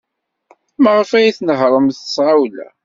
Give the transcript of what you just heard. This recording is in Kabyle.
Maɣef ay tnehhṛemt s tɣawla?